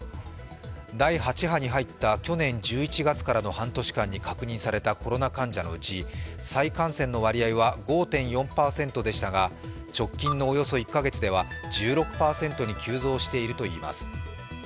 第８波に入った去年１１月からの半年間に確認されたコロナ患者のうち再感染の割合は５．４％でしたが直近のおよそ１月では１６％に急増しているといいます。